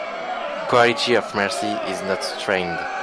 Quality of mercy is not strained